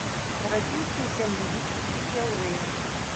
Нарадзіўся ў сям'і віцебскіх яўрэяў.